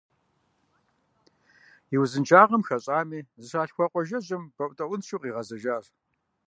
И узыншагъэм хэщӏами, зыщалъхуа къуажэжьым бэӏутӏэӏуншэу къигъэзэжащ.